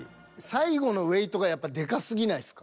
最後のウエイトがやっぱでかすぎないですか？